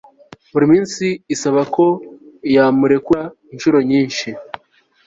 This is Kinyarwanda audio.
buri munsi isaba ko yamurekura inshuro nyinshi